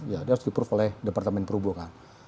dia harus di approve oleh departemen perubahan